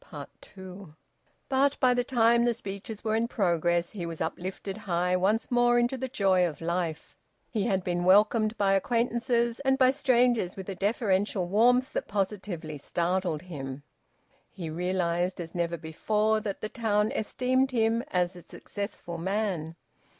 TWO. But by the time the speeches were in progress he was uplifted high once more into the joy of life. He had been welcomed by acquaintances and by strangers with a deferential warmth that positively startled him. He realised, as never before, that the town esteemed him as a successful man.